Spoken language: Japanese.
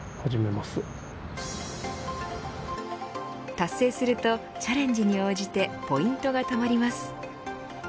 達成するとチャレンジに応じてポイントがたまります。